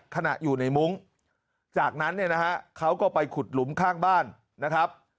ขณะอยู่ในมุ้งจากนั้นเนี่ยนะฮะเขาก็ไปขุดหลุมข้างบ้านนะครับ